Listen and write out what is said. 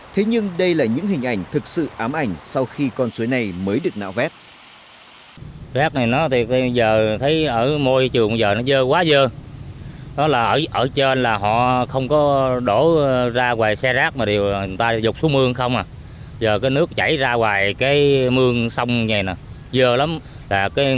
thế nhưng đây là những hình ảnh thực sự ám ảnh sau khi con suối này mới được nạo vét